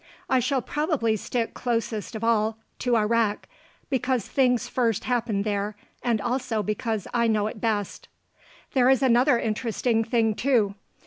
I shall probably stick closest of all to Iraq, because things first happened there and also because I know it best. There is another interesting thing, too.